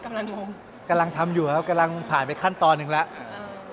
กำลังกำลังทำอยู่ครับกำลังผ่านไปขั้นตอนหนึ่งแล้วอ่า